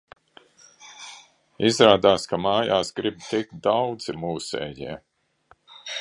Izrādās, ka mājās grib tikt daudzi mūsējie.